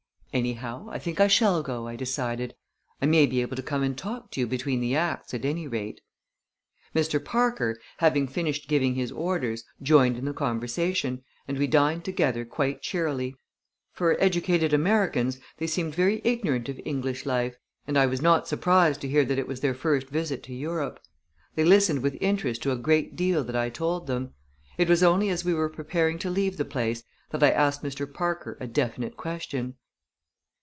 "Anyhow, I think I shall go," I decided, "I may be able to come and talk to you between the acts at any rate." Mr. Parker, having finished giving his orders, joined in the conversation, and we dined together quite cheerily. For educated Americans they seemed very ignorant of English life, and I was not surprised to hear that it was their first visit to Europe. They listened with interest to a great deal that I told them. It was only as we were preparing to leave the place that I asked Mr. Parker a definite question.